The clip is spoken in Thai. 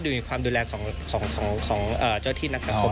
อยู่ในความดูแลของเจ้าที่นักสังคม